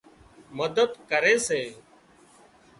مدد ڪري سي